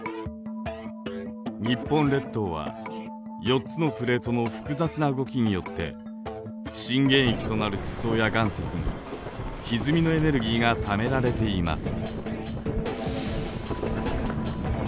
日本列島は４つのプレートの複雑な動きによって震源域となる地層や岩石にひずみのエネルギーがためられています。